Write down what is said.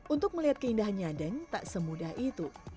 untuk melihat keindahan nyadeng tak semudah itu